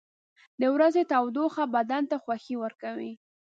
• د ورځې تودوخه بدن ته خوښي ورکوي.